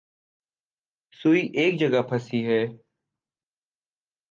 سوئی ایک جگہ پھنسی ہے۔